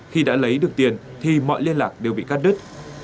khi đã lấy được tiền thì mọi liên lạc đều bị cắt đứt